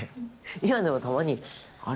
今でもたまに、あれ？